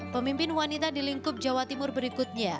pemimpin wanita di lingkup jawa timur berikutnya